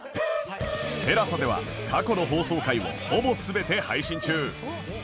ＴＥＬＡＳＡ では過去の放送回をほぼ全て配信中